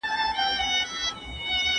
ډاکټره د لوړ ږغ سره پاڼه ړنګه کړې ده.